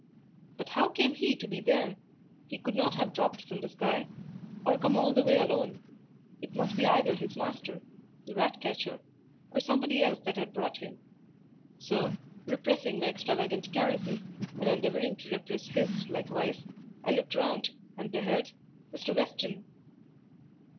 But how came he to be there? He could not have dropped from the sky, or come all that way alone: it must be either his master, the rat catcher, or somebody else that had brought him; so, repressing my extravagant caresses, and endeavouring to repress his likewise, I looked round, and beheld—Mr. Weston!